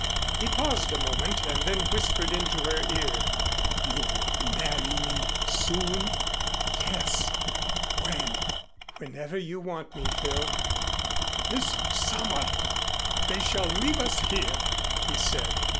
He paused a moment and then whispered into her ear. "You'll marry me soon?" "Yes." "When?" "Whenever you want me, Phil." "This summer! They shall leave us here!" he said.